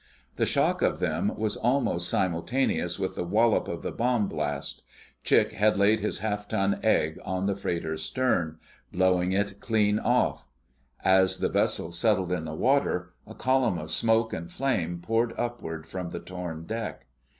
The shock of them was almost simultaneous with the wallop of the bomb blast. Chick had laid his half ton "egg" on the freighter's stern, blowing it clean off. As the vessel settled in the water a column of smoke and flame poured upward from the torn deck.